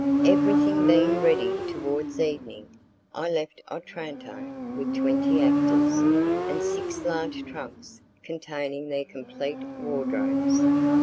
Everything being ready towards evening, I left Otranto with twenty actors, and six large trunks containing their complete wardrobes.